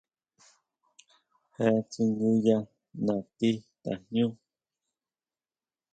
Jee tsinguya natí tajñú.